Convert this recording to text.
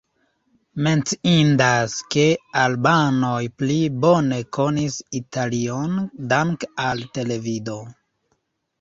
Menciindas, ke albanoj pli bone konis Italion danke al televido.